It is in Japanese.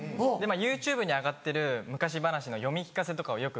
ＹｏｕＴｕｂｅに上がってる昔話の読み聞かせとかをよく。